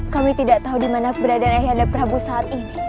kami tidak tahu di mana peradaan ayahanda prabu saat ini